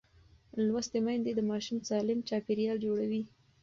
لوستې میندې د ماشوم سالم چاپېریال جوړوي.